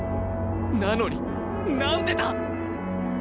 なのになんでだ！